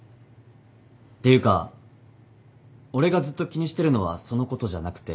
ていうか俺がずっと気にしてるのはそのことじゃなくて。